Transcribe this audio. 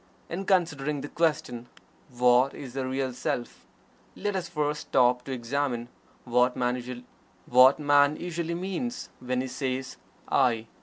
In considering the question: "What is the Real Self?" let us first stop to examine what man usually means when he says "I."